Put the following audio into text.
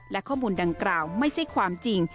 และข้อมูลดังกล่าวไม่ใช่ความจริง